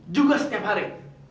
juga setiap hari